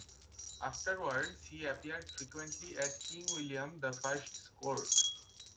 Afterwards, he appeared frequently at King William the First's court.